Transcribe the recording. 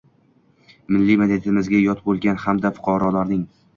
Milliy madaniyatimizga yot bo’lgan hamda fuqarolarning